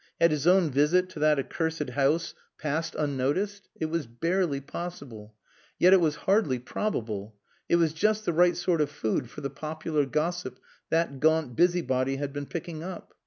Had his own visit to that accursed house passed unnoticed? It was barely possible. Yet it was hardly probable. It was just the right sort of food for the popular gossip that gaunt busybody had been picking up.